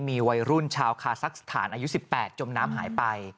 มีวัยรุ่นชาวคาซักสถานอายุ๑๘จมน้ำหายไป